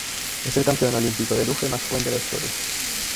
Es el campeón olímpico de luge más joven de la historia.